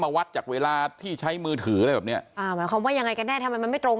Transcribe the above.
มาวัดจากเวลาที่ใช้มือถืออะไรแบบนี้